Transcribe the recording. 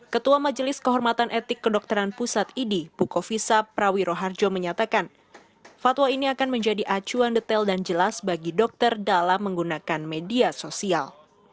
ketua majelis kehormatan etik kedokteran pusat idi bukovisa prawiroharjo menyatakan fatwa ini akan menjadi acuan detail dan jelas bagi dokter dalam menggunakan media sosial